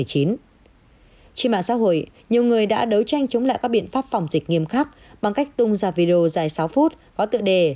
trên mạng xã hội nhiều người đã đấu tranh chống lại các biện pháp phòng dịch nghiêm khắc bằng cách tung ra video dài sáu phút có tựa đề